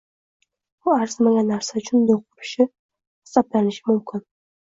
U arzimagan narsa uchun do‘q urishi, g‘azablanishi mumkin